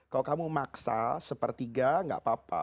kalau kamu maksa sepertiga gak apa apa